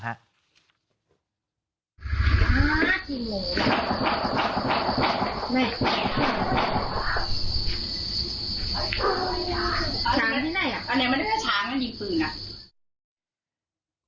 อาสารักษาดินปืน